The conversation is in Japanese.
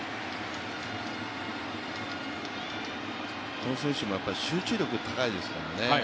この選手も集中力高いですよね。